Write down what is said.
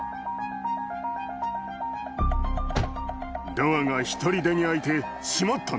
ドアがひとりでに開いて閉まったんだ。